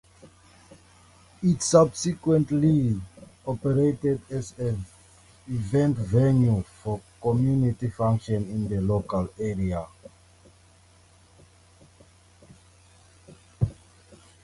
It subsequently operated as an events venue for community functions in the local area.